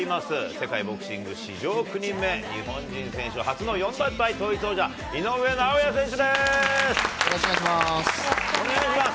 世界ボクシング史上９人目、日本人選手初の４団体統一王者、よろしくお願いします。